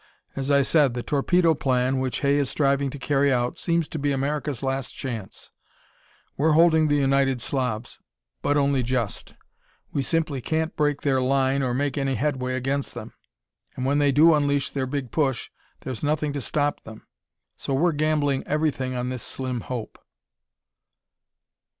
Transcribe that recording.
As I said, the Torpedo Plan, which Hay is striving to carry out, seems to be America's last chance. We're holding the United Slavs, but only just. We simply can't break their line or make any headway against them; and when they do unleash their big push, there's nothing to stop them! So we're gambling everything on this slim hope.